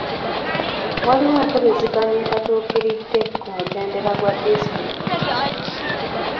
Waliwo empuliziganya etatuukiridde ku mutendera gwa disitulikiti.